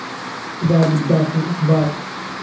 خودا بتداتن ئیقبال